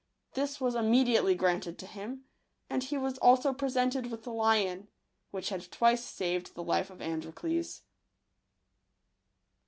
This was immediately granted to him ; and he was also presented with the lion, which had twice saved the life of Androcles.